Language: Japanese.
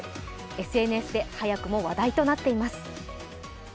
ＳＮＳで早くも話題となっています。